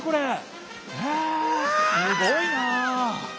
すごいな。